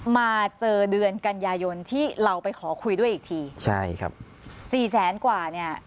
มาเจอเดือนกันยายนที่เราไปขอคุยด้วยอีกทีใช่ครับสี่แสนกว่าเนี่ย